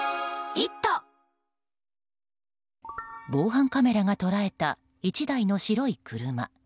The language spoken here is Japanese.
防犯カメラが捉えた１台の白い車。